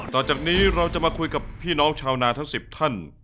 ต่อจากนี้เราจะมาคุยกับพี่น้องชาวนาทั้ง๑๐ท่าน